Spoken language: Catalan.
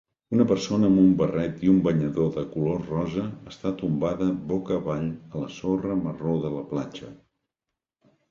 Una persona amb un barret i un banyador de color rosa està tombada boca avall a la sorra marró de la platja.